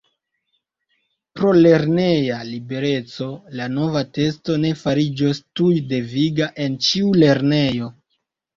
Pro lerneja libereco la nova testo ne fariĝos tuj deviga en ĉiu lernejo.